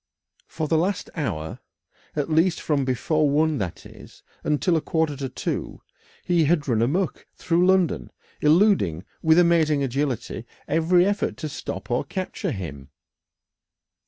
For the last hour, at least from before one, that is, until a quarter to two, he had run amuck through London, eluding with amazing agility every effort to stop or capture him.